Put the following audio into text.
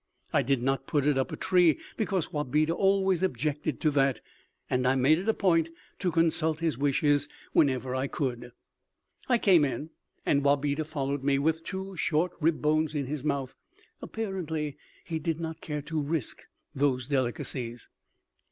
I did not put it up a tree because Wabeda always objected to that, and I made it a point to consult his wishes whenever I could. I came in and Wabeda followed me with two short rib bones in his mouth. Apparently he did not care to risk those delicacies.